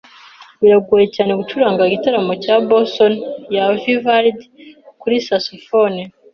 Biragoye cyane gucuranga igitaramo cya bassoon ya Vivaldi kuri saxofone.